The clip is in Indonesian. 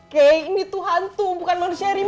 kayak ini tuh hantu bukan manusia rimau